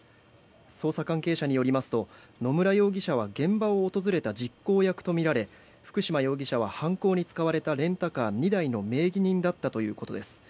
捜査関係者によりますと野村容疑者は現場を訪れた実行役とみられ福島容疑者は犯行に使われたレンタカー２台の名義人だったということです。